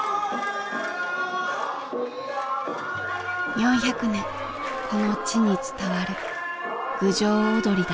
４００年この地に伝わる郡上おどりだ。